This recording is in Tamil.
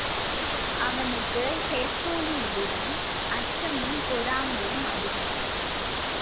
அவனுக்கு ஹெர்க்குலிஸிடம் அச்சமும் பொறாமையும் அதிகம்.